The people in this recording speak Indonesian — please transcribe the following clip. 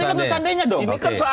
ini kan seandainya dong